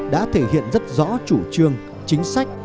đã thể hiện rất rõ chủ trương chính sách